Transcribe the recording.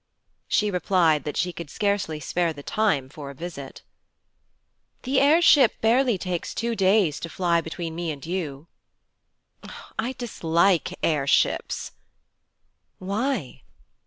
She replied that she could scarcely spare the time for a visit. 'The air ship barely takes two days to fly between me and you.' 'I dislike air ships.' 'Why?'